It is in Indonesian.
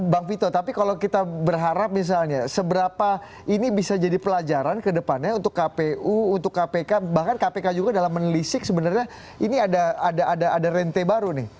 bang vito tapi kalau kita berharap misalnya seberapa ini bisa jadi pelajaran kedepannya untuk kpu untuk kpk bahkan kpk juga dalam menelisik sebenarnya ini ada rente baru nih